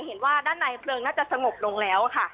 เห็นว่าด้านในเพลิงน่าจะสงบลงแล้วค่ะ